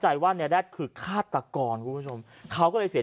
ชาวบ้านญาติโปรดแค้นไปดูภาพบรรยากาศขณะ